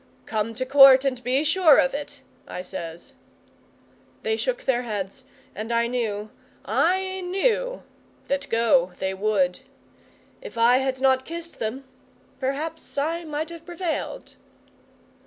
'"Come to Court and be sure of't," I said. 'They shook their heads and I knew I knew, that go they would. If I had not kissed them perhaps I might have prevailed.